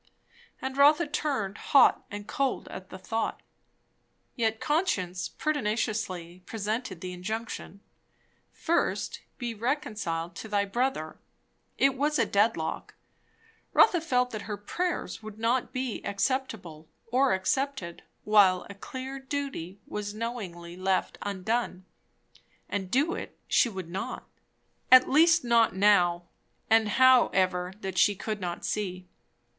And Rotha turned hot and cold at the thought. Yet conscience pertinaciously presented the injunction?"first be reconciled to thy brother." It was a dead lock. Rotha felt that her prayers would not be acceptable or accepted, while a clear duty was knowingly left undone; and do it she would not. At least not now; and how ever, that she could not see.